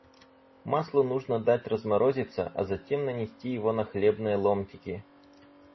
Маслу нужно дать разморозиться, а затем нанести его на хлебные ломтики.